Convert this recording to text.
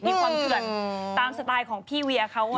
ความเถื่อนตามสไตล์ของพี่เวียเขา